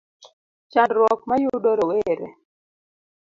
Chandruok ma yudo rowere